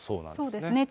そうですね。